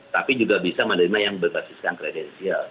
tapi juga bisa menerima yang berbasiskan kredensial